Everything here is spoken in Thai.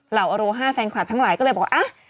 เหล่าอโรหะแฟนความทั้งหลายก็เลยบอกว่าอ๊ะ